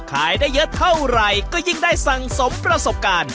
ขายได้เยอะเท่าไหร่ก็ยิ่งได้สั่งสมประสบการณ์